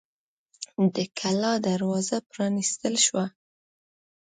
د کلا دروازه پرانیستل شوه.